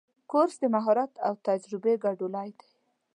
کورس د مهارت او تجربه ګډوالی دی.